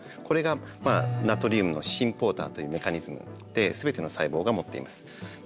これがナトリウムのシンポーターというメカニズムで全ての細胞が持っています。